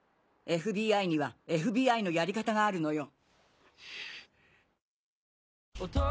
ＦＢＩにはＦＢＩのやり方があるのよ。